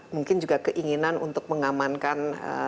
mungkin juga keinginan untuk mengamankan